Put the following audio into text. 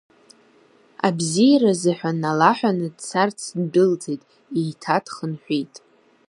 Абзиаразы ҳәа налаҳәаны дцарц ддәылҵит, еиҭа дхынҳәит.